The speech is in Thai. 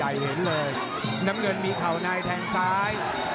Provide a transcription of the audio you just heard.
เห็นเลยน้ำเงินมีเข่าในแทงซ้าย